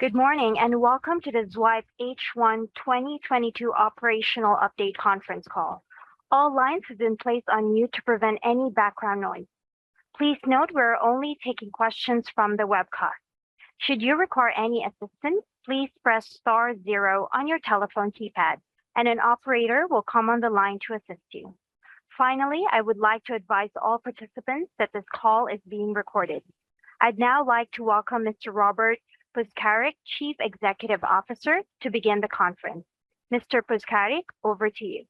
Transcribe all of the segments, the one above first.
Good morning, and welcome to the Zwipe H1 2022 Operational Update Conference Call. All lines have been placed on mute to prevent any background noise. Please note we're only taking questions from the webcast. Should you require any assistance, please press star 0 on your telephone keypad, and an operator will come on the line to assist you. Finally, I would like to advise all participants that this call is being recorded. I'd now like to welcome Mr. Robert Puskaric, Chief Executive Officer, to begin the conference. Mr. Puskaric, over to you.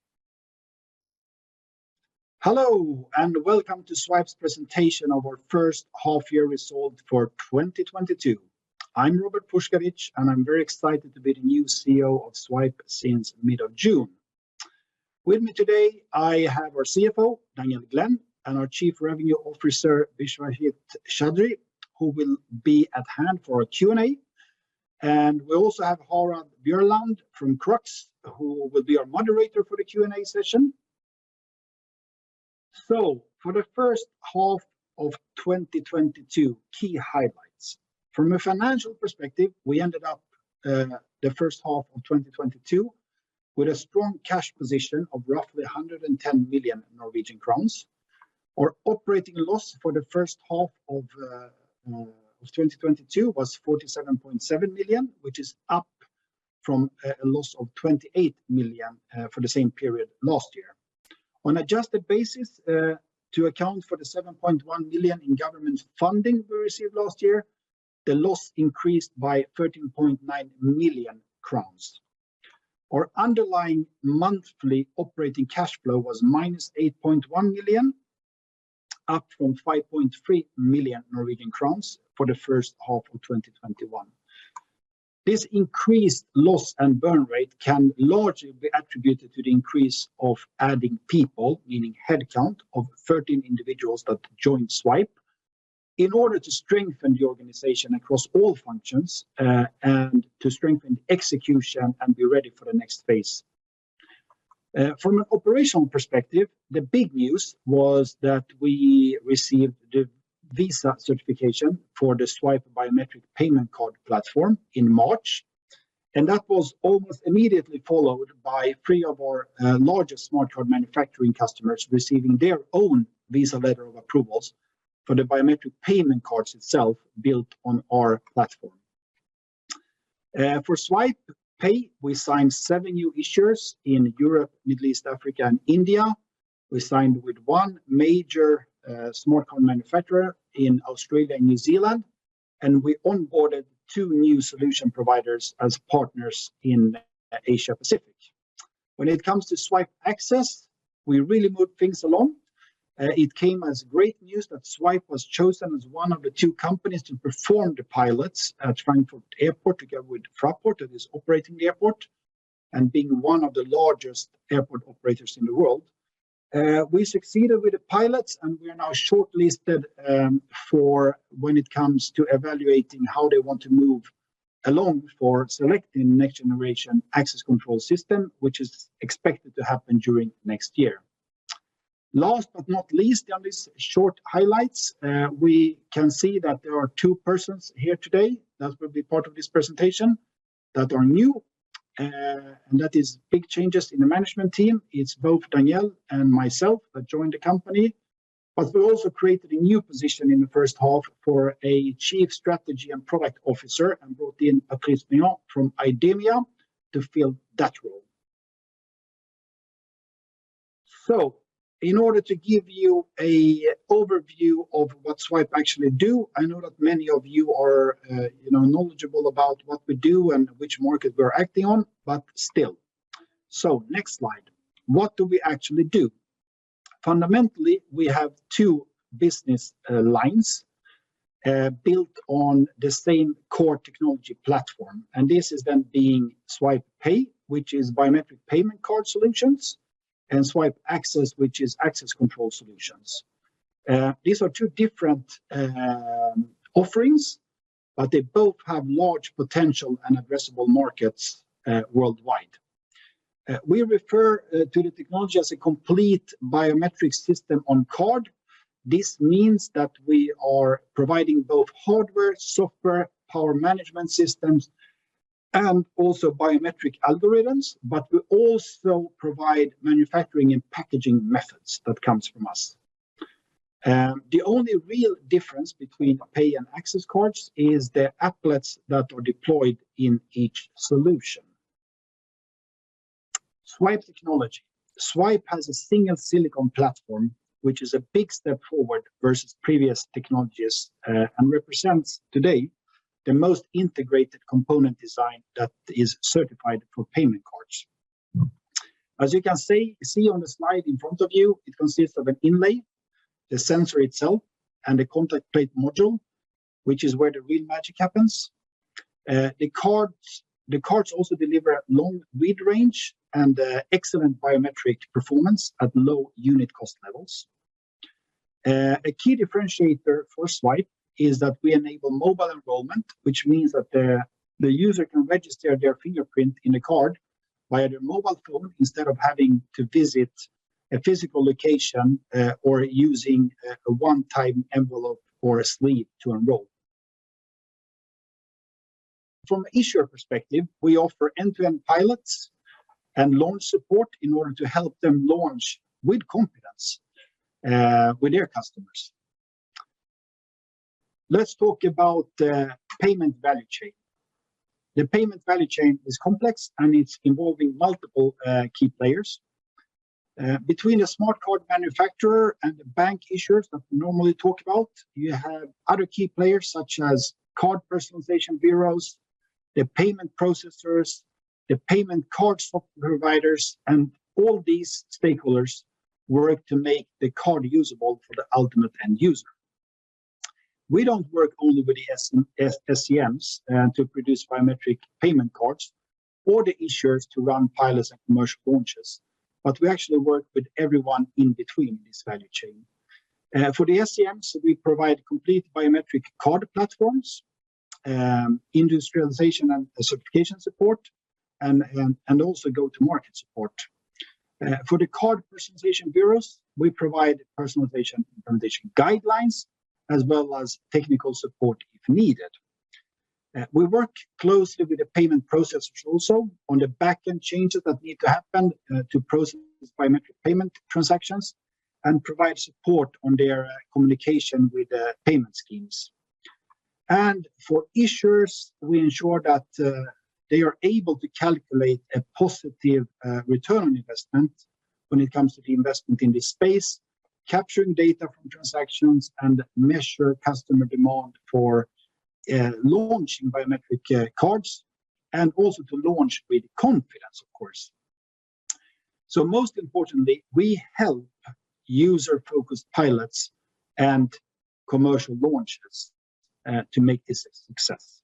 Hello, and welcome to Zwipe's presentation of our first half-year results for 2022. I'm Robert Puskaric, and I'm very excited to be the new CEO of Zwipe since mid of June. With me today, I have our CFO, Danielle Glenn, and our Chief Revenue Officer, Bishwajit Choudhary, who will be at hand for our Q&A, and we also have Harald Bjørland from Crux, who will be our moderator for the Q&A session. For the first half of 2022, key highlights. From a financial perspective, we ended up the first half of 2022 with a strong cash position of roughly 110 million Norwegian crowns. Our operating loss for the first half of 2022 was 47.7 million, which is up from a loss of 28 million for the same period last year. On adjusted basis, to account for the 7.1 million in government funding we received last year, the loss increased by 13.9 million crowns. Our underlying monthly operating cash flow was minus 8.1 million, up from 5.3 million Norwegian crowns for the first half of 2021. This increased loss and burn rate can largely be attributed to the increase of adding people, meaning headcount of 13 individuals that joined Zwipe, in order to strengthen the organization across all functions, and to strengthen execution and be ready for the next phase. From an operational perspective, the big news was that we received the Visa certification for the Zwipe Pay Biometric Payment Card Platform in March, and that was almost immediately followed by three of our largest smart card manufacturing customers receiving their own Visa letters of approval for the biometric payment cards itself built on our platform. For Zwipe Pay, we signed seven new issuers in Europe, Middle East, Africa, and India. We signed with one major smart card manufacturer in Australia and New Zealand, and we onboarded two new solution providers as partners in Asia Pacific. When it comes to Zwipe Access, we really moved things along. It came as great news that Zwipe was chosen as one of the two companies to perform the pilots at Frankfurt Airport together with Fraport, that is operating the airport, and being one of the largest airport operators in the world. We succeeded with the pilots, and we are now shortlisted, for when it comes to evaluating how they want to move along for selecting next generation access control system, which is expected to happen during next year. Last but not least on this short highlights, we can see that there are two persons here today that will be part of this presentation that are new, and that is big changes in the management team. It's both Danielle and myself that joined the company, but we also created a new position in the first half for a Chief Strategy and Product Officer and brought in Patrice Meilland from IDEMIA to fill that role. In order to give you an overview of what Zwipe actually do, I know that many of you are, you know, knowledgeable about what we do and which market we're acting on, but still. Next slide. What do we actually do? Fundamentally, we have two business lines built on the same core technology platform, and this is then being Zwipe Pay, which is biometric payment card solutions, and Zwipe Access, which is access control solutions. These are two different offerings, but they both have large potential and addressable markets worldwide. We refer to the technology as a complete biometric system-on-card. This means that we are providing both hardware, software, power management systems, and also biometric algorithms, but we also provide manufacturing and packaging methods that comes from us. The only real difference between Pay and Access cards is the applets that are deployed in each solution. Zwipe technology. Zwipe has a single silicon platform, which is a big step forward versus previous technologies, and represents today the most integrated component design that is certified for payment cards. As you can see on the slide in front of you, it consists of an inlay, the sensor itself, and a contact plate module, which is where the real magic happens. The cards also deliver long read range and excellent biometric performance at low unit cost levels. A key differentiator for Zwipe is that we enable mobile enrollment, which means that the user can register their fingerprint in the card via their mobile phone instead of having to visit a physical location, or using a one-time envelope or a sleeve to enroll. From issuer perspective, we offer end-to-end pilots and launch support in order to help them launch with confidence, with their customers. Let's talk about the payment value chain. The payment value chain is complex, and it's involving multiple key players. Between a smart card manufacturer and the bank issuers that we normally talk about, you have other key players such as card personalization bureaus, the payment processors, the payment card software providers, and all these stakeholders work to make the card usable for the ultimate end user. We don't work only with the SCMs to produce biometric payment cards or the issuers to run pilots and commercial launches, but we actually work with everyone in between this value chain. For the SCMs, we provide complete biometric card platforms, industrialization and certification support, and also go-to-market support. For the card personalization bureaus, we provide personalization implementation guidelines as well as technical support if needed. We work closely with the payment processors also on the back-end changes that need to happen to process biometric payment transactions and provide support on their communication with the payment schemes. For issuers, we ensure that they are able to calculate a positive return on investment when it comes to the investment in this space, capturing data from transactions, and measure customer demand for launching biometric cards, and also to launch with confidence, of course. Most importantly, we help user-focused pilots and commercial launches to make this a success.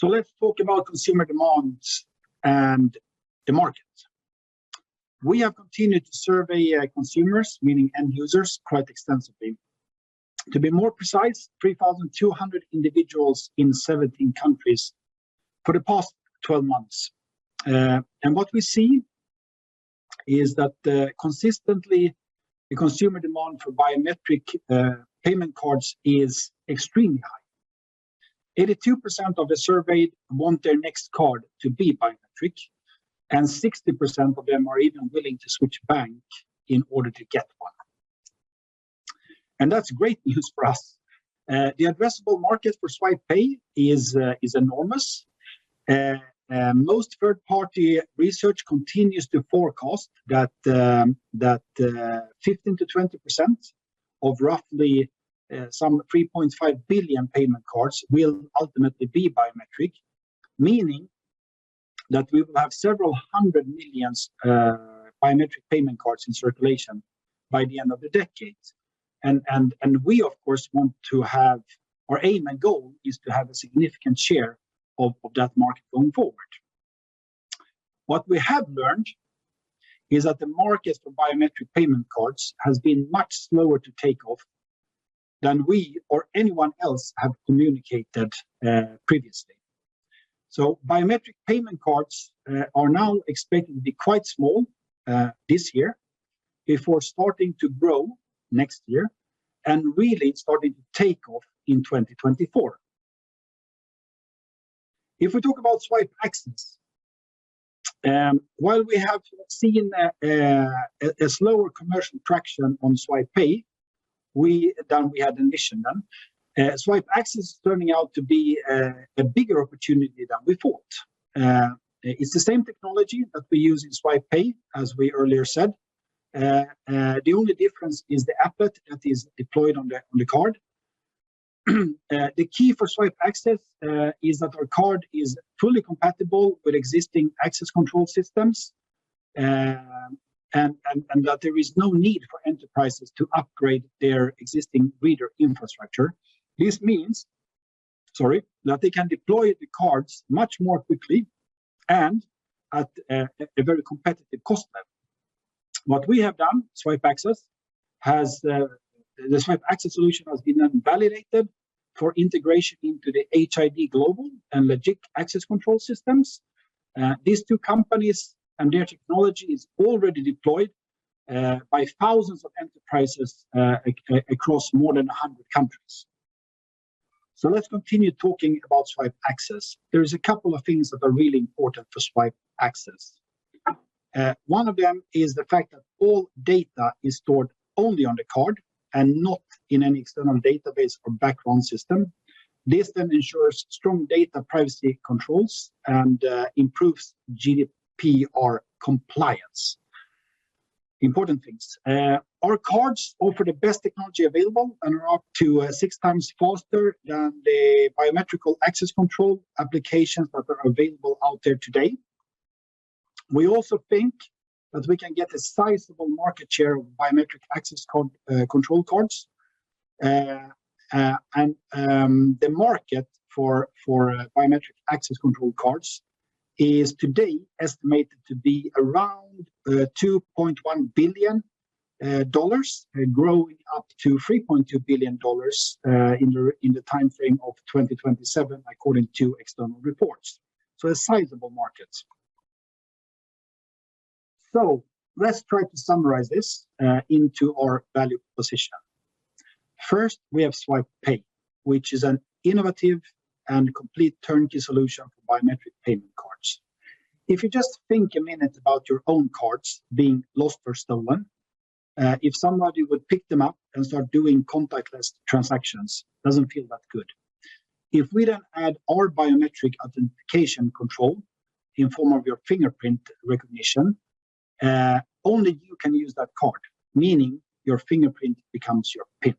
Let's talk about consumer demands and the market. We have continued to survey consumers, meaning end users, quite extensively. To be more precise, 3,200 individuals in 17 countries for the past 12 months. What we see is that consistently the consumer demand for biometric payment cards is extremely high. 82% of the surveyed want their next card to be biometric, and 60% of them are even willing to switch bank in order to get one. That's great news for us. The addressable market for Zwipe Pay is enormous. Most third-party research continues to forecast that 15%-20% of roughly some 3.5 billion payment cards will ultimately be biometric, meaning that we will have several hundred million biometric payment cards in circulation by the end of the decade. We of course want to have. Our aim and goal is to have a significant share of that market going forward. What we have learned is that the market for biometric payment cards has been much slower to take off than we or anyone else have communicated previously. Biometric payment cards are now expected to be quite small this year before starting to grow next year and really starting to take off in 2024. If we talk about Zwipe Access, while we have seen a slower commercial traction on Zwipe Pay than we had initially done, Zwipe Access is turning out to be a bigger opportunity than we thought. It's the same technology that we use in Zwipe Pay, as we earlier said. The only difference is the applet that is deployed on the card. The key for Zwipe Access is that our card is fully compatible with existing access control systems, and that there is no need for enterprises to upgrade their existing reader infrastructure. This means, sorry, that they can deploy the cards much more quickly and at a very competitive cost level. What we have done, Zwipe Access, has the Zwipe Access solution has been validated for integration into the HID Global and LEGIC access control systems. These two companies and their technology is already deployed by thousands of enterprises across more than 100 countries. Let's continue talking about Zwipe Access. There is a couple of things that are really important for Zwipe Access. One of them is the fact that all data is stored only on the card and not in any external database or background system. This then ensures strong data privacy controls and improves GDPR compliance. Important things. Our cards offer the best technology available and are up to six times faster than the biometric access control applications that are available out there today. We also think that we can get a sizable market share of biometric access control cards. The market for biometric access control cards is today estimated to be around $2.1 billion growing up to $3.2 billion in the timeframe of 2027 according to external reports. A sizable market. Let's try to summarize this into our value proposition. First, we have Zwipe Pay, which is an innovative and complete turnkey solution for biometric payment cards. If you just think a minute about your own cards being lost or stolen, if somebody would pick them up and start doing contactless transactions, doesn't feel that good. If we add our biometric authentication control in form of your fingerprint recognition, only you can use that card, meaning your fingerprint becomes your PIN.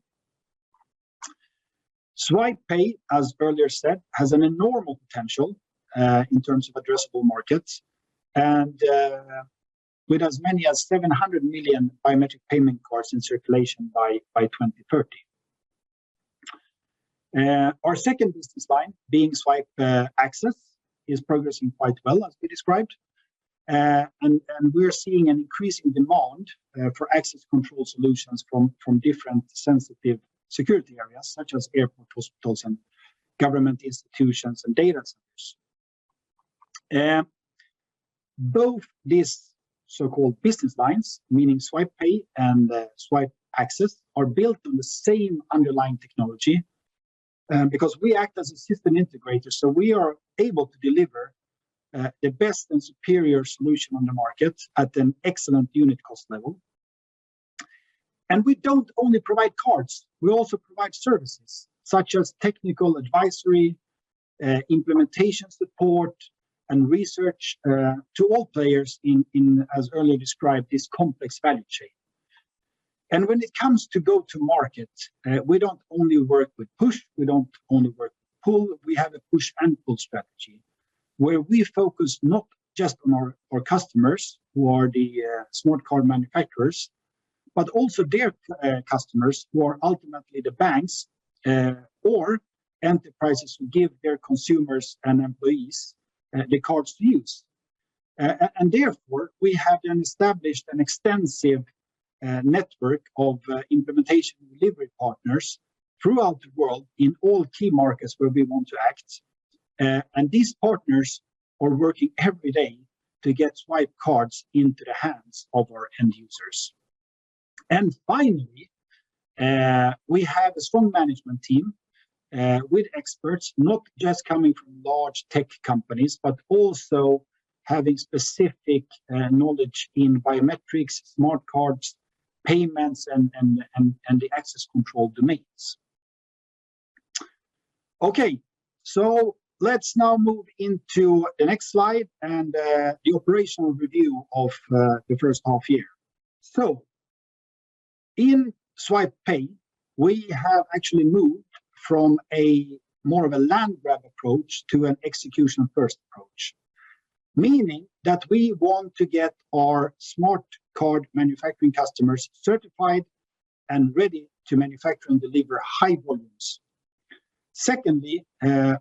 Zwipe Pay, as earlier said, has an enormous potential in terms of addressable markets and with as many as 700 million biometric payment cards in circulation by 2030. Our second business line, being Zwipe Access, is progressing quite well, as we described. We're seeing an increasing demand for access control solutions from different sensitive security areas, such as airports, hospitals, and government institutions and data centers. Both these so-called business lines, meaning Zwipe Pay and Zwipe Access, are built on the same underlying technology, because we act as a system integrator, so we are able to deliver the best and superior solution on the market at an excellent unit cost level. We don't only provide cards, we also provide services such as technical advisory, implementation support, and research to all players in, as earlier described, this complex value chain. When it comes to go to market, we don't only work with push, we don't only work pull, we have a push and pull strategy, where we focus not just on our customers, who are the smart card manufacturers, but also their customers, who are ultimately the banks or enterprises who give their consumers and employees the cards to use. We have then established an extensive network of implementation delivery partners throughout the world in all key markets where we want to act. These partners are working every day to get Zwipe cards into the hands of our end users. Finally, we have a strong management team with experts not just coming from large tech companies, but also having specific knowledge in biometrics, smart cards, payments, and the access control domains. Okay. Let's now move into the next slide and the operational review of the first half year. In Zwipe Pay, we have actually moved from more of a land grab approach to an execution first approach, meaning that we want to get our smart card manufacturing customers certified and ready to manufacture and deliver high volumes. Secondly,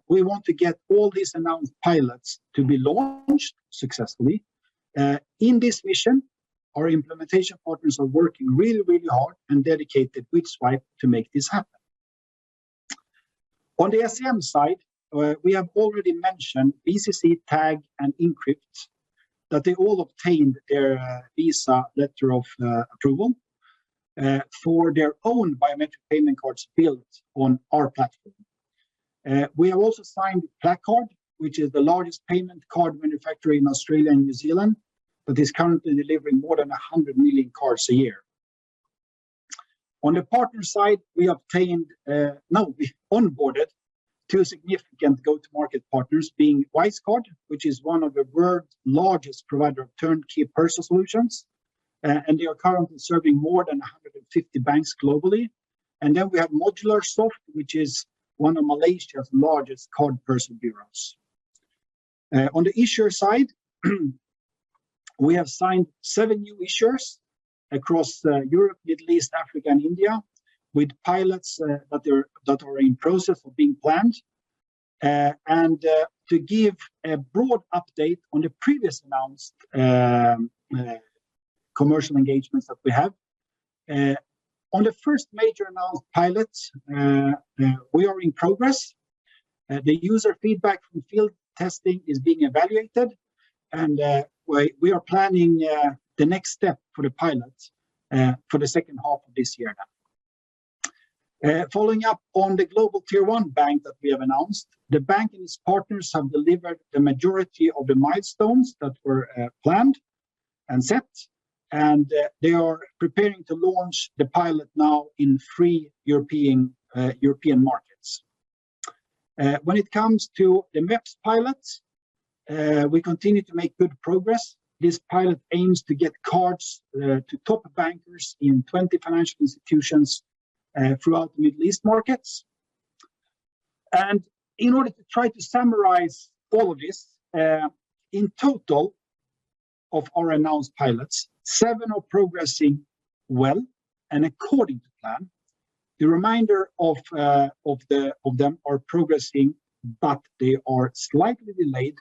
we want to get all these announced pilots to be launched successfully. In this mission, our implementation partners are working really, really hard and dedicated with Zwipe to make this happen. On the SCM side, we have already mentioned BCC, TAG Systems, and Inkript, that they all obtained their Visa Letter of Approval for their own biometric payment cards built on our platform. We have also signed Placard, which is the largest payment card manufacturer in Australia and New Zealand, that is currently delivering more than 100 million cards a year. On the partner side, we onboarded two significant go-to-market partners, being Wisecard, which is one of the world's largest provider of turnkey personalization solutions, and they are currently serving more than 150 banks globally. Then we have Modularsoft, which is one of Malaysia's largest card personalization bureaus. On the issuer side, we have signed seven new issuers across Europe, Middle East, Africa, and India, with pilots that are in process of being planned. To give a broad update on the previously announced commercial engagements that we have, on the first major announced pilot, we are in progress. The user feedback from field testing is being evaluated, and we are planning the next step for the pilot for the second half of this year now. Following up on the global Tier 1 bank that we have announced, the bank and its partners have delivered the majority of the milestones that were planned and set, and they are preparing to launch the pilot now in three European markets. When it comes to the MEPS pilots, we continue to make good progress. This pilot aims to get cards to top banks in 20 financial institutions throughout the Middle East markets. In order to try to summarize all of this, in total, of our announced pilots, seven are progressing well and according to plan. The remainder of them are progressing, but they are slightly delayed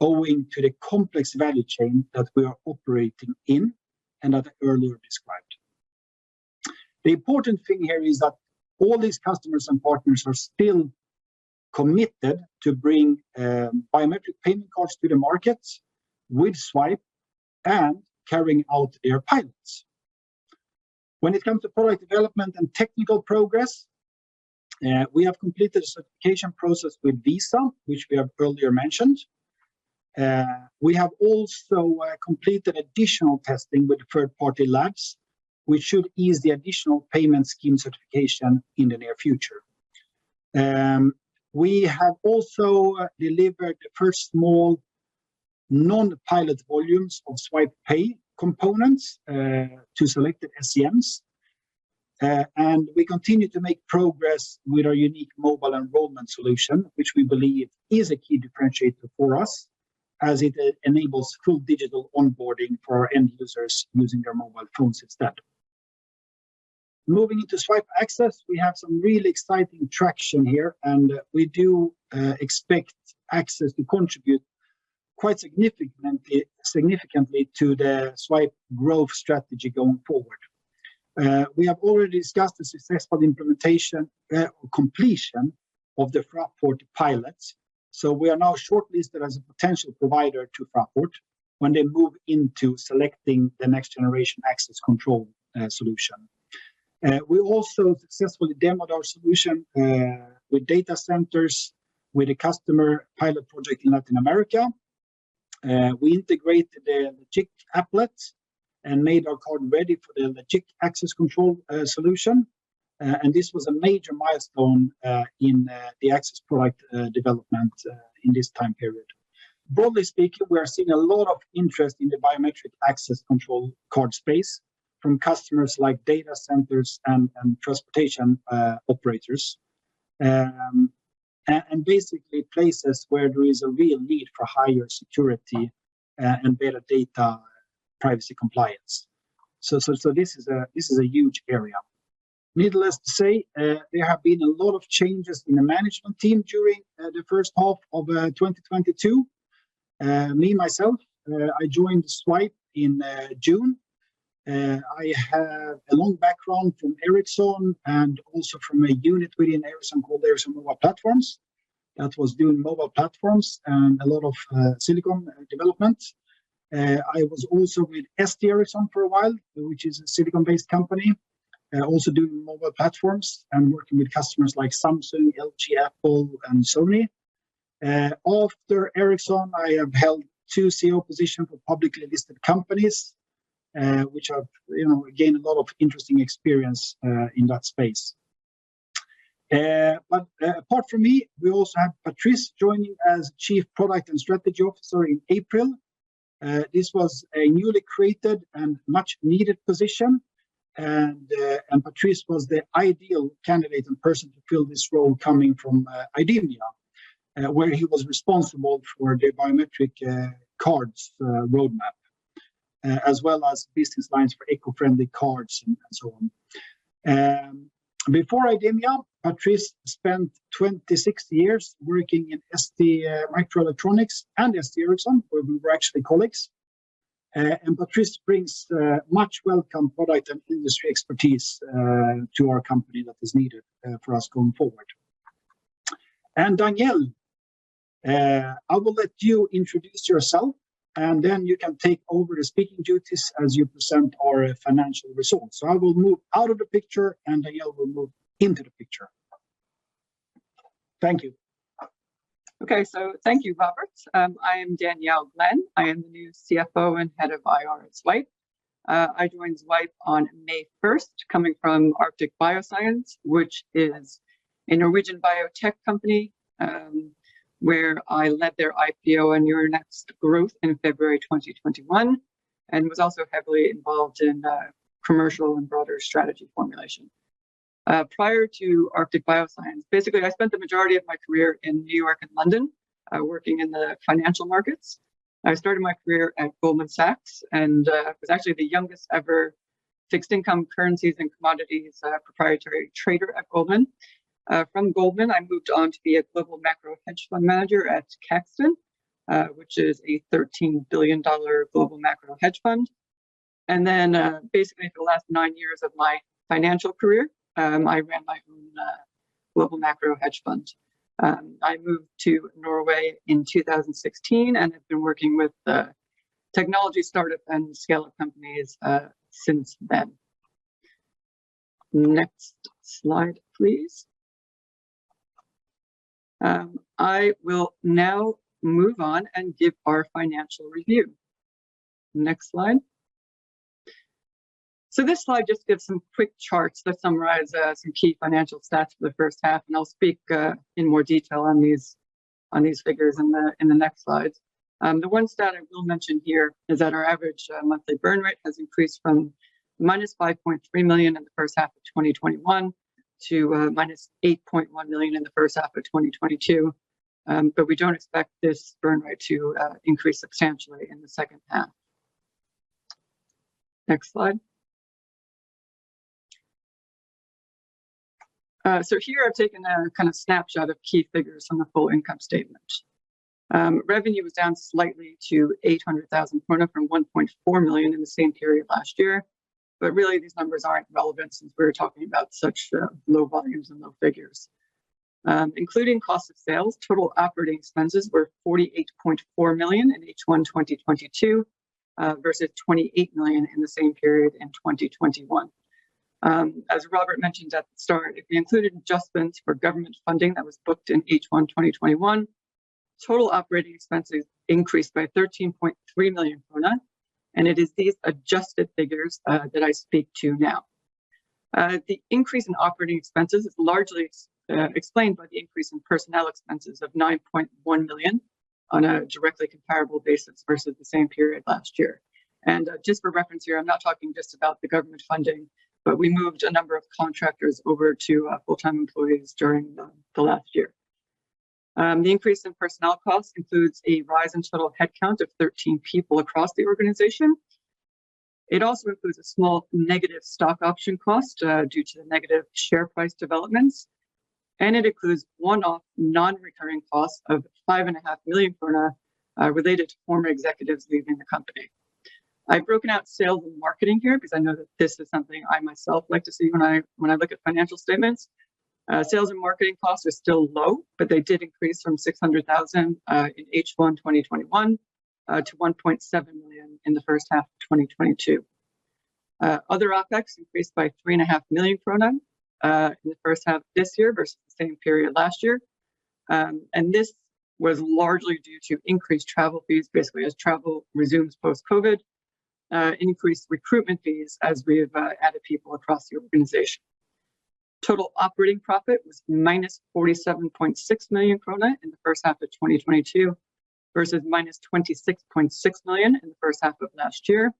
owing to the complex value chain that we are operating in and I've earlier described. The important thing here is that all these customers and partners are still committed to bring biometric payment cards to the markets with Zwipe and carrying out their pilots. When it comes to product development and technical progress, we have completed the certification process with Visa, which we have earlier mentioned. We have also completed additional testing with third-party labs, which should ease the additional payment scheme certification in the near future. We have also delivered the first small non-pilot volumes of Zwipe Pay components to selected SCMs. We continue to make progress with our unique mobile enrollment solution, which we believe is a key differentiator for us as it enables full digital onboarding for our end users using their mobile phones instead. Moving into Zwipe Access, we have some really exciting traction here, and we do expect Access to contribute quite significantly to the Zwipe growth strategy going forward. We have already discussed the successful implementation or completion of the Fraport pilots. We are now shortlisted as a potential provider to Fraport when they move into selecting the next generation access control solution. We also successfully demoed our solution with data centers with a customer pilot project in Latin America. We integrated the LEGIC applet and made our card ready for the LEGIC access control solution. This was a major milestone in the access product development in this time period. Broadly speaking, we are seeing a lot of interest in the biometric access control card space from customers like data centers and transportation operators and basically places where there is a real need for higher security and better data privacy compliance. This is a huge area. Needless to say, there have been a lot of changes in the management team during the first half of 2022. Me, myself, I joined Zwipe in June. I have a long background from Ericsson and also from a unit within Ericsson called Ericsson Mobile Platforms that was doing mobile platforms and a lot of silicon development. I was also with ST-Ericsson for a while, which is a silicon-based company, also doing mobile platforms and working with customers like Samsung, LG, Apple and Sony. After Ericsson, I have held two CEO positions for publicly listed companies, which I've, you know, gained a lot of interesting experience in that space. Apart from me, we also have Patrice joining as Chief Product and Strategy Officer in April. This was a newly created and much-needed position. Patrice was the ideal candidate and person to fill this role coming from IDEMIA, where he was responsible for the biometric cards roadmap, as well as business lines for eco-friendly cards and so on. Before IDEMIA, Patrice spent 26 years working in STMicroelectronics and ST-Ericsson, where we were actually colleagues. Patrice brings much welcome product and industry expertise to our company that is needed for us going forward. Danielle, I will let you introduce yourself and then you can take over the speaking duties as you present our financial results. I will move out of the picture and Danielle will move into the picture. Thank you. Okay, thank you, Robert. I am Danielle Glenn. I am the new CFO and Head of IR at Zwipe. I joined Zwipe on May first, coming from Arctic Bioscience, which is a Norwegian biotech company, where I led their IPO and year-on-year growth in February 2021, and was also heavily involved in commercial and broader strategy formulation. Prior to Arctic Bioscience, basically I spent the majority of my career in New York and London, working in the financial markets. I started my career at Goldman Sachs and was actually the youngest ever Fixed Income, Currencies, and Commodities proprietary trader at Goldman. From Goldman, I moved on to be a global macro hedge fund manager at Caxton, which is a $13 billion global macro hedge fund. Basically for the last nine years of my financial career, I ran my own global macro hedge fund. I moved to Norway in 2016, and have been working with technology startup and scale-up companies since then. Next slide, please. I will now move on and give our financial review. Next slide. This slide just gives some quick charts that summarize some key financial stats for the first half, and I'll speak in more detail on these figures in the next slides. The one stat I will mention here is that our average monthly burn rate has increased from -5.3 million in the first half of 2021 to -8.1 million in the first half of 2022. We don't expect this burn rate to increase substantially in the second half. Next slide. Here I've taken a kind of snapshot of key figures from the full income statement. Revenue was down slightly to 800,000 krone from 1.4 million in the same period last year. Really, these numbers aren't relevant since we're talking about such low volumes and low figures. Including cost of sales, total operating expenses were 48.4 million in H1 2022 versus 28 million in the same period in 2021. As Robert mentioned at the start, if we included adjustments for government funding that was booked in H1 2021, total operating expenses increased by 13.3 million krone, and it is these adjusted figures that I speak to now. The increase in operating expenses is largely explained by the increase in personnel expenses of 9.1 million on a directly comparable basis versus the same period last year. Just for reference here, I'm not talking just about the government funding, but we moved a number of contractors over to full-time employees during the last year. The increase in personnel costs includes a rise in total headcount of 13 people across the organization. It also includes a small negative stock option cost due to the negative share price developments, and it includes one-off non-recurring costs of 5.5 million krone related to former executives leaving the company. I've broken out sales and marketing here because I know that this is something I myself like to see when I look at financial statements. Sales and marketing costs are still low, but they did increase from 600,000 in H1 2021 to 1.7 million in the first half of 2022. Other OpEx increased by 3.5 million krone in the first half this year versus the same period last year. This was largely due to increased travel fees, basically as travel resumes post-COVID, increased recruitment fees as we have added people across the organization. Total operating profit was -47.6 million krone in the first half of 2022 versus -26.6 million in the first half of last year.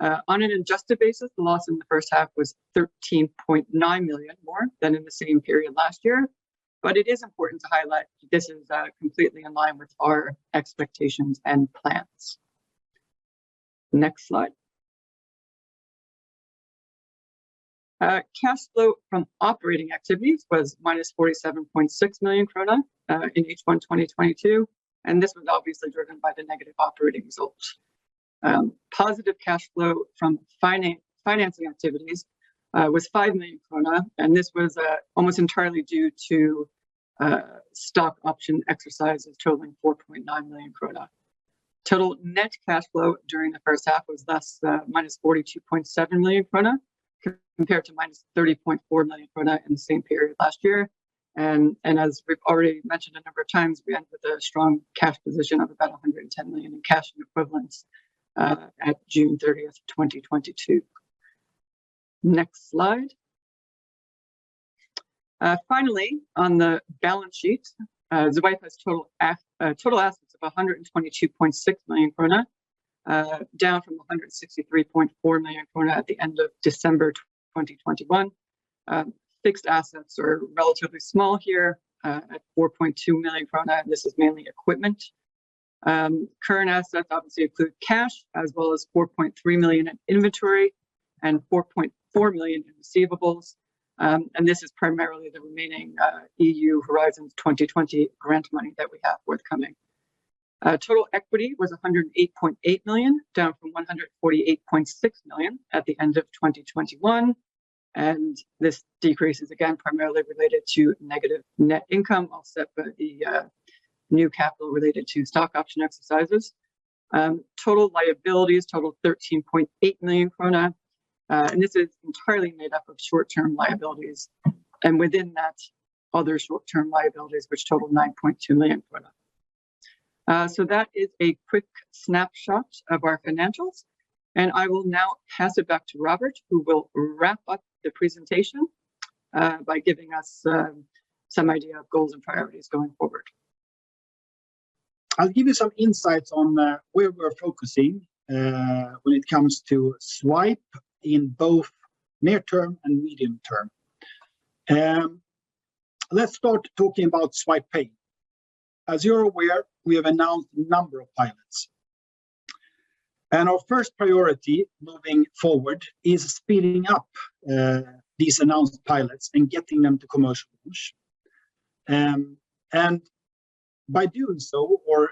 On an adjusted basis, the loss in the first half was 13.9 million more than in the same period last year. It is important to highlight this is completely in line with our expectations and plans. Next slide. Cash flow from operating activities was -47.6 million krone in H1 2022, and this was obviously driven by the negative operating results. Positive cash flow from financing activities was 5 million krone, and this was almost entirely due to stock option exercises totaling 4.9 million krone. Total net cash flow during the first half was thus -42.7 million krone compared to -30.4 million krone in the same period last year. As we've already mentioned a number of times, we ended with a strong cash position of about 110 million in cash and equivalents at June 30th, 2022. Next slide. Finally, on the balance sheet, Zwipe has total assets of 122.6 million krone, down from 163.4 million krone at the end of December 2021. Fixed assets are relatively small here, at 4.2 million krone, and this is mainly equipment. Current assets obviously include cash, as well as 4.3 million in inventory and 4.4 million in receivables. This is primarily the remaining EU Horizon 2020 grant money that we have forthcoming. Total equity was 108.8 million, down from 148.6 million at the end of 2021. This decrease is again primarily related to negative net income, offset by the new capital related to stock option exercises. Total liabilities totaled 13.8 million krone, and this is entirely made up of short-term liabilities, and within that, other short-term liabilities which totaled 9.2 million. That is a quick snapshot of our financials, and I will now pass it back to Robert, who will wrap up the presentation by giving us some idea of goals and priorities going forward. I'll give you some insights on where we're focusing when it comes to Zwipe in both near term and medium term. Let's start talking about Zwipe Pay. As you're aware, we have announced a number of pilots. Our first priority moving forward is speeding up these announced pilots and getting them to commercial launch. By doing so, or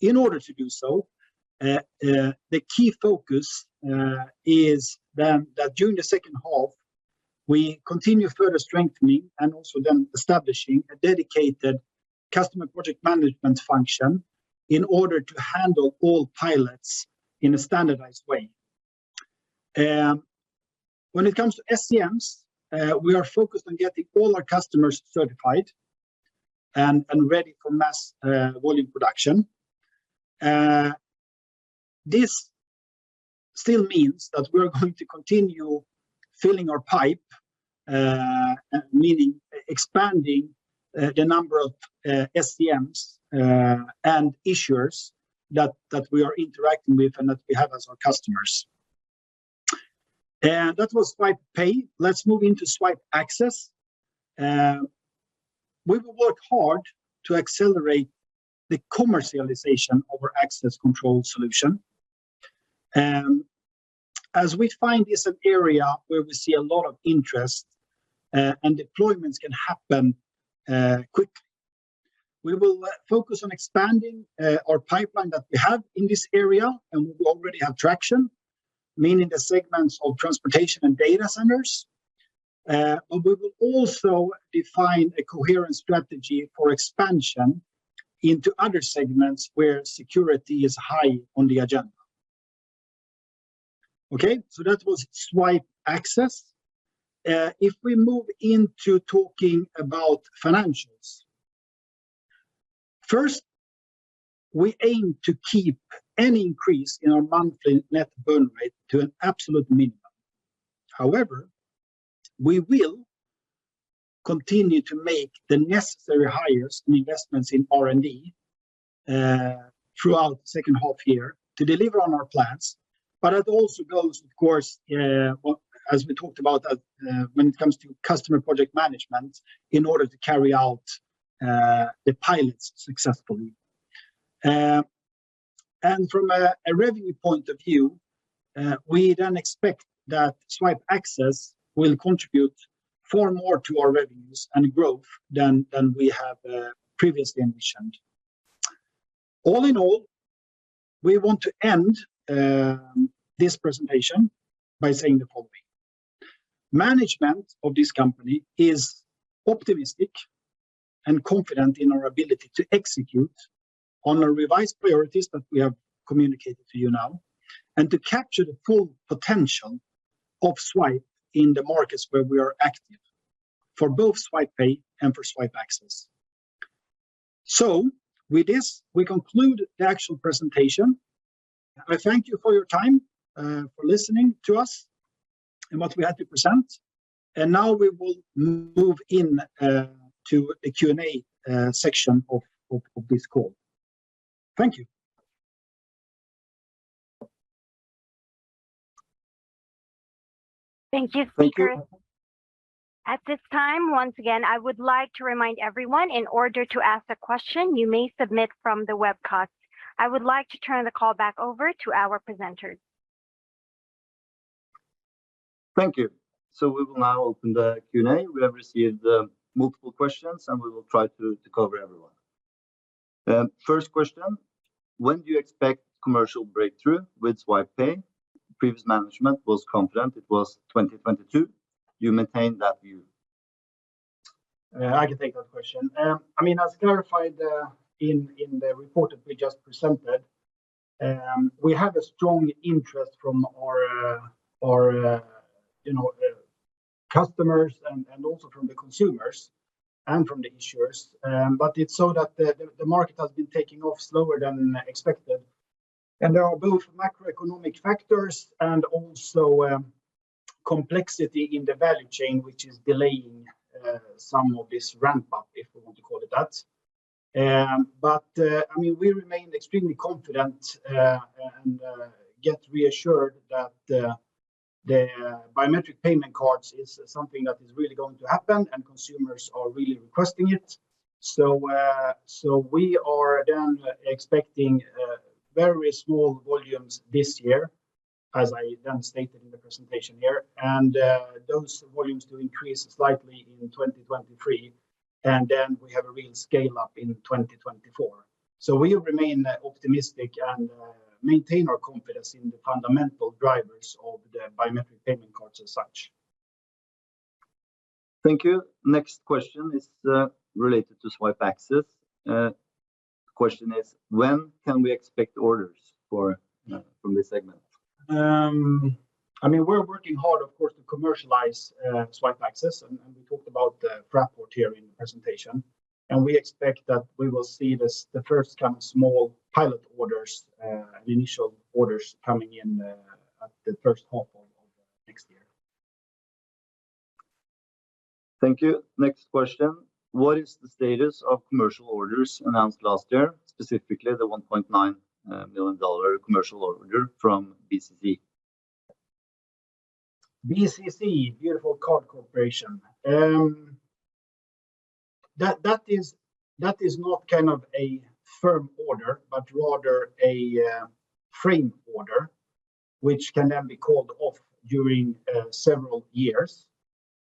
in order to do so, the key focus is then that during the second half, we continue further strengthening and also then establishing a dedicated customer project management function in order to handle all pilots in a standardized way. When it comes to SCMs, we are focused on getting all our customers certified and ready for mass volume production. This still means that we're going to continue filling our pipe, meaning expanding the number of SCMs and issuers that we are interacting with and that we have as our customers. That was Zwipe Pay. Let's move into Zwipe Access. We will work hard to accelerate the commercialization of our access control solution, as we find it's an area where we see a lot of interest and deployments can happen quickly. We will focus on expanding our pipeline that we have in this area, and we already have traction, mainly the segments of transportation and data centers. We will also define a coherent strategy for expansion into other segments where security is high on the agenda. Okay, that was Zwipe Access. If we move into talking about financials, first, we aim to keep any increase in our monthly net burn rate to an absolute minimum. However, we will continue to make the necessary hires and investments in R&D throughout the second half year to deliver on our plans, but it also goes, of course, well, as we talked about at, when it comes to customer project management in order to carry out the pilots successfully. From a revenue point of view, we then expect that Zwipe Access will contribute far more to our revenues and growth than we have previously envisioned. All in all, we want to end this presentation by saying the following: Management of this company is optimistic and confident in our ability to execute on our revised priorities that we have communicated to you now, and to capture the full potential of Zwipe in the markets where we are active, for both Zwipe Pay and for Zwipe Access. With this, we conclude the actual presentation. I thank you for your time, for listening to us and what we had to present, and now we will move in to the Q&A section of this call. Thank you. Thank you, speakers. Thank you. At this time, once again, I would like to remind everyone, in order to ask a question, you may submit from the webcast. I would like to turn the call back over to our presenters. Thank you. We will now open the Q&A. We have received multiple questions, and we will try to cover every one. First question, when do you expect commercial breakthrough with Zwipe Pay? Previous management was confident it was 2022. Do you maintain that view? Yeah, I can take that question. I mean, as clarified in the report that we just presented, we have a strong interest from our you know customers and also from the consumers and from the issuers, but it's so that the market has been taking off slower than expected, and there are both macroeconomic factors and also complexity in the value chain which is delaying some of this ramp-up, if we want to call it that. But I mean, we remain extremely confident and yet reassured that the biometric payment cards is something that is really going to happen, and consumers are really requesting it. We are then expecting very small volumes this year, as I then stated in the presentation here, and those volumes to increase slightly in 2023, and then we have a real scale-up in 2024. We remain optimistic and maintain our confidence in the fundamental drivers of the biometric payment cards as such. Thank you. Next question is related to Zwipe Access. Question is, when can we expect orders from this segment? I mean, we're working hard, of course, to commercialize Zwipe Access, and we talked about the Fraport here in the presentation, and we expect that we will see the first kind of small pilot orders, initial orders coming in at the first half of next year. Thank you. Next question: What is the status of commercial orders announced last year, specifically the $1.9 million commercial order from BCC? Beautiful Card Corporation. That is not kind of a firm order, but rather a frame order which can then be called off during several years.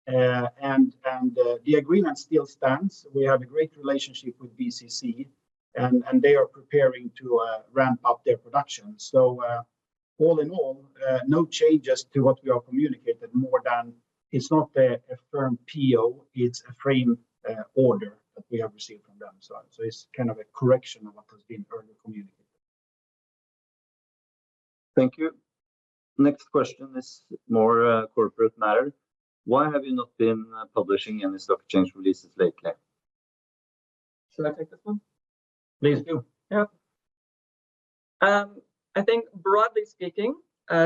The agreement still stands. We have a great relationship with BCC, and they are preparing to ramp up their production. All in all, no changes to what we all communicated, more than it's not a firm PO. It's a frame order that we have received from them. It's kind of a correction of what has been earlier communicated. Thank you. Next question is more a corporate matter. Why have you not been publishing any stock exchange releases lately? Shall I take this one? Please do. Yeah. I think broadly speaking,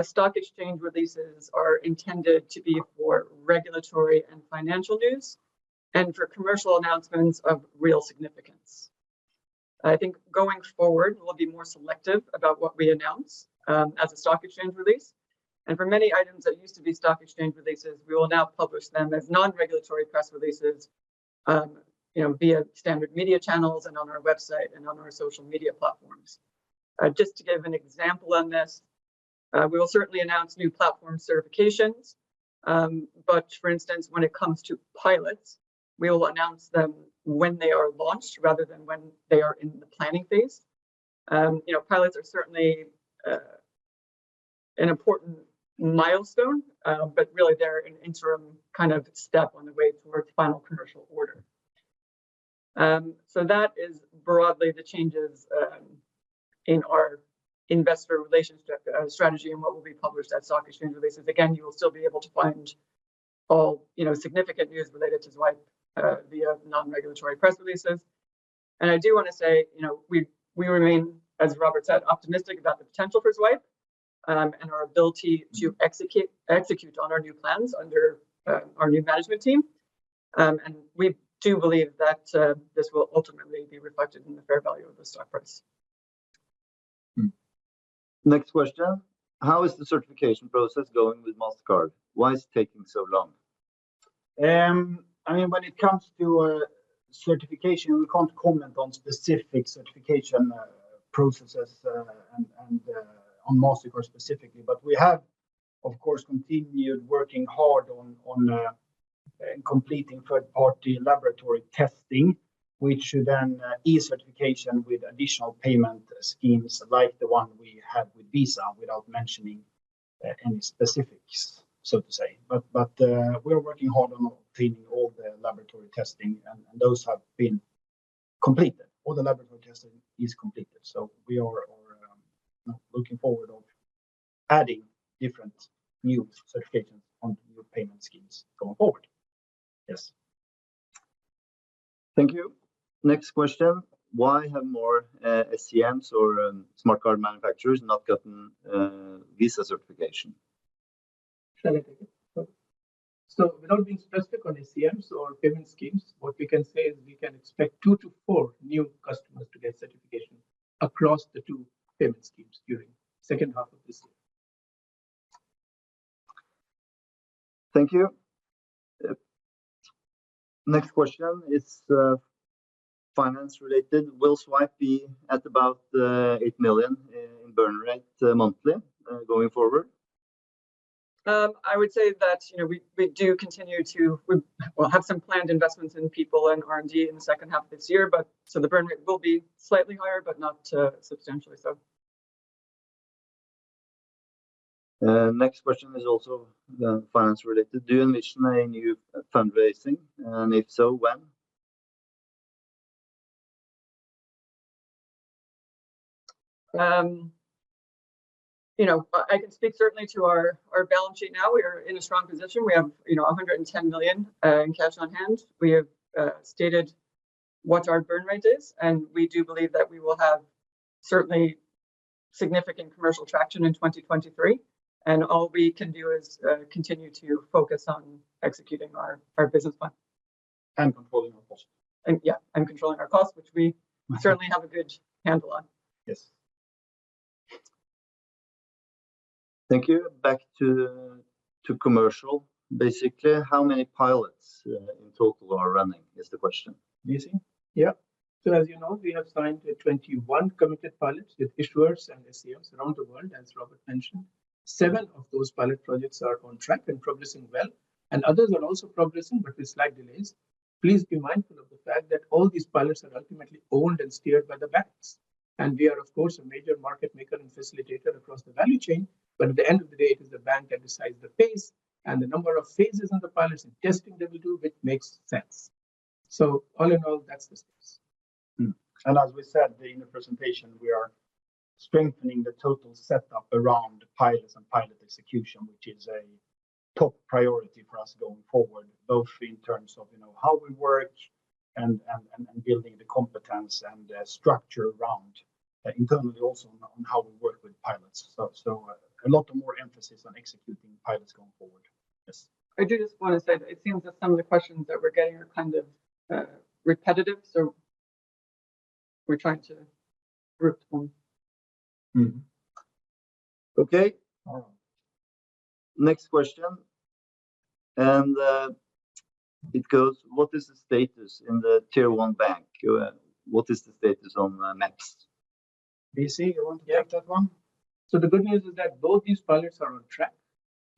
stock exchange releases are intended to be for regulatory and financial news and for commercial announcements of real significance. I think going forward, we'll be more selective about what we announce as a stock exchange release. For many items that used to be stock exchange releases, we will now publish them as non-regulatory press releases, you know, via standard media channels and on our website and on our social media platforms. Just to give an example on this, we will certainly announce new platform certifications. But for instance, when it comes to pilots, we will announce them when they are launched rather than when they are in the planning phase. You know, pilots are certainly an important milestone, but really they're an interim kind of step on the way towards final commercial order. That is broadly the changes in our investor relations strategy and what will be published as stock exchange releases. Again, you will still be able to find all, you know, significant news related to Zwipe via non-regulatory press releases. I do wanna say, you know, we remain, as Robert said, optimistic about the potential for Zwipe and our ability to execute on our new plans under our new management team. We do believe that this will ultimately be reflected in the fair value of the stock price. Next question: How is the certification process going with Mastercard? Why is it taking so long? I mean, when it comes to certification, we can't comment on specific certification processes and on Mastercard specifically. We have, of course, continued working hard on completing third-party laboratory testing, which should then ease certification with additional payment schemes like the one we have with Visa, without mentioning any specifics, so to say. We are working hard on obtaining all the laboratory testing and those have been completed. All the laboratory testing is completed, so we are looking forward of adding different new certifications onto new payment schemes going forward. Yes. Thank you. Next question: Why have more SCMs or smart card manufacturers not gotten Visa certification? Shall I take it? Sure. Without being specific on SCMs or payment schemes, what we can say is we can expect 2-4 new customers to get certification across the two payment schemes during second half of this year. Thank you. Next question is finance-related. Will Zwipe be at about 8 million in burn rate monthly going forward? I would say that, you know, we have some planned investments in people and R&D in the second half of this year, but so the burn rate will be slightly higher, but not substantially so. Next question is also finance-related. Do you envision a new fundraising, and if so, when? I can speak certainly to our balance sheet now. We are in a strong position. We have, you know, 110 million in cash on hand. We have stated what our burn rate is, and we do believe that we will have certainly significant commercial traction in 2023. All we can do is continue to focus on executing our business plan. And controlling our costs. Yeah, controlling our costs, which we - Mm-hmm - certainly have a good handle on. Yes. Thank you. Back to commercial. Basically, how many pilots in total are running, is the question? BC? Yeah. As you know, we have signed 21 committed pilots with issuers and SCMs around the world, as Robert mentioned. Seven of those pilot projects are on track and progressing well, and others are also progressing, but with slight delays. Please be mindful of the fact that all these pilots are ultimately owned and steered by the banks. We are, of course, a major market maker and facilitator across the value chain. At the end of the day, it is the bank that decides the pace and the number of phases on the pilots and testing they will do, which makes sense. All in all, that's the space. Hmm. As we said during the presentation, we are strengthening the total setup around pilots and pilot execution, which is a top priority for us going forward, both in terms of, you know, how we work and building the competence and the structure around internally also on how we work with pilots. So a lot more emphasis on executing pilots going forward. Yes. I do just wanna say that it seems that some of the questions that we're getting are kind of, repetitive, so we're trying to group them. Mm-hmm. Okay. Next question, it goes: What is the status in the Tier 1 bank? What is the status on MEPS? BC, you want to take that one? Yeah. The good news is that both these pilots are on track.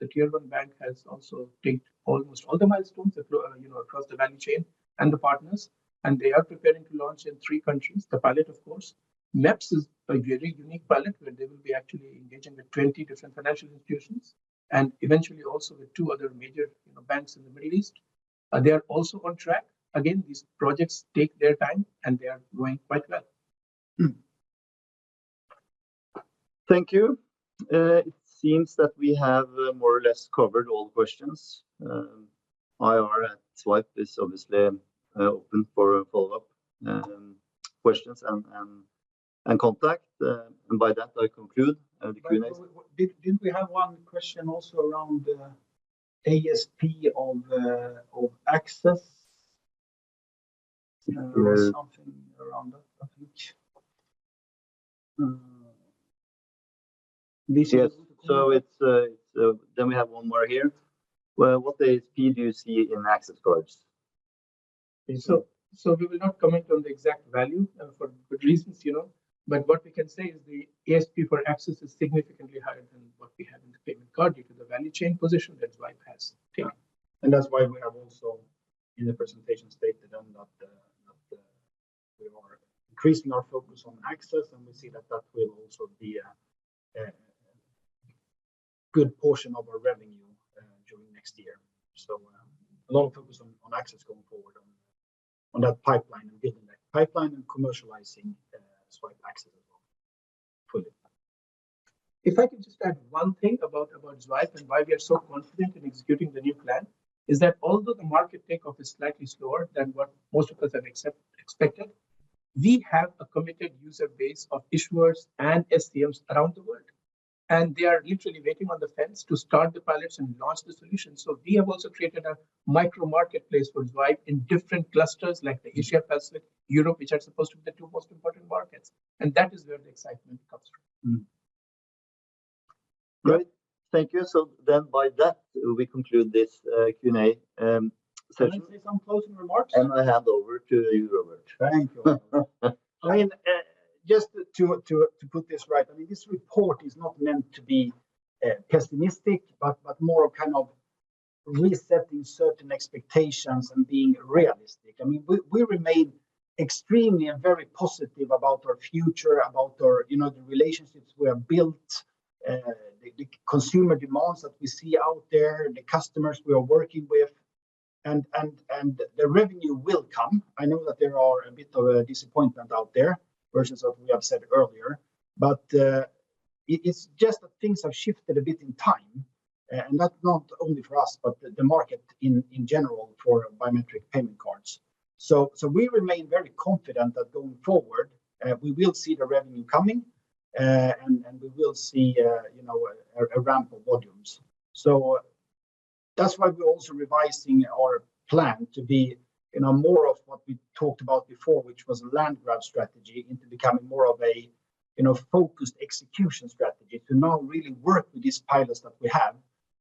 The Tier 1 bank has also ticked almost all the milestones across the value chain and the partners, and they are preparing to launch in three countries the pilot, of course. MEPS is a very unique pilot where they will be actually engaging with 20 different financial institutions, and eventually also with two other major, you know, banks in the Middle East. They are also on track. Again, these projects take their time, and they are going quite well. Thank you. It seems that we have more or less covered all questions. IR at Zwipe is obviously open for a follow-up questions and contact. By that, I conclude our Q&A session. By the way, didn't we have one question also around ASP of access? Yeah. There was something around that, I think. Yes. It's then we have one more here. Well, what ASP do you see in access cards? We will not comment on the exact value for good reasons, you know? But what we can say is the ASP for access is significantly higher than what we have in the payment card due to the value chain position that Zwipe has. Yeah. That's why we have also, in the presentation, stated on that we are increasing our focus on access, and we see that that will also be a good portion of our revenue during next year. A lot of focus on access going forward on that pipeline and building that pipeline and commercializing Zwipe Access as well fully. If I can just add one thing about Zwipe and why we are so confident in executing the new plan, is that although the market take-off is slightly slower than what most of us have expected, we have a committed user base of issuers and SCMs around the world, and they are literally waiting on the fence to start the pilots and launch the solution. We have also created a micro marketplace for Zwipe in different clusters like the Asia-Pacific, Europe, which are supposed to be the two most important markets, and that is where the excitement comes from. Mm-hmm. Great. Thank you. By that, we conclude this Q&A session. Can I say some closing remarks? I hand over to you, Robert. Thank you. I mean, just to put this right, I mean, this report is not meant to be pessimistic, but more kind of resetting certain expectations and being realistic. I mean, we remain extremely and very positive about our future, about our, you know, the relationships we have built, the consumer demands that we see out there, the customers we are working with, and the revenue will come. I know that there is a bit of a disappointment out there versus what we have said earlier, but it is just that things have shifted a bit in time, and not only for us, but the market in general for biometric payment cards. We remain very confident that going forward, we will see the revenue coming, and we will see, you know, a ramp of volumes. That's why we're also revising our plan to be, you know, more of what we talked about before, which was a land grab strategy into becoming more of a, you know, focused execution strategy to now really work with these pilots that we have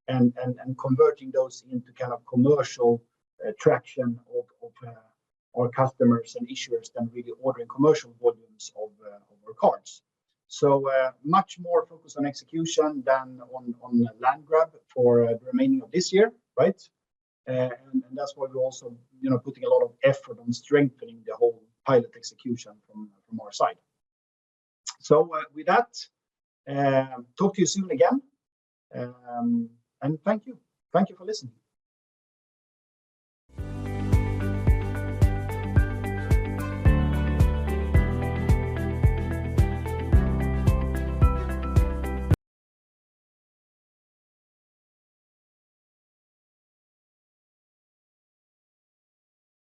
and converting those into kind of commercial traction of our customers and issuers then really ordering commercial volumes of our cards. Much more focused on execution than on land grab for the remaining of this year, right? That's why we're also, you know, putting a lot of effort on strengthening the whole pilot execution from our side. With that, talk to you soon again. Thank you. Thank you for listening.